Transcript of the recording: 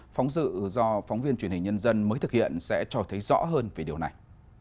phóng dự do phóng viên truyền hình nhân dân mới thực hiện sẽ cho thấy rõ hơn về điều này